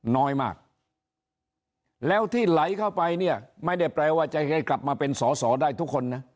น้อยมากแล้วที่ไหลเข้าไปเนี่ยไม่ได้แปลว่าจะให้กลับมาเป็นสอสอได้ทุกคนนะ